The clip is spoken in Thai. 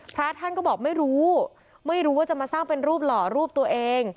พระท่านก็บอกไม่รู้ไม่รู้ว่าจะมาสร้างเป็นรูปหล่อรูปตัวเอง